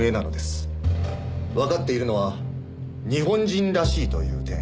わかっているのは日本人らしいという点。